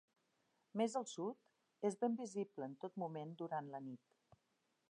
Més al sud, és ben visible en tot moment durant la nit.